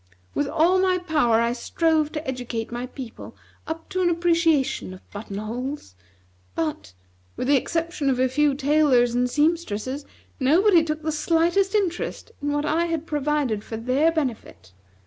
With all my power I strove to educate my people up to an appreciation of button holes; but, with the exception of a few tailors and seamstresses, nobody took the slightest interest in what I had provided for their benefit.